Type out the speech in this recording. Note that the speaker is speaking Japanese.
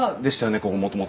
ここもともと。